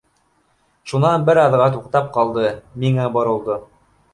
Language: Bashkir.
Шунан бер аҙға туҡтап ҡалды, миңә боролдо.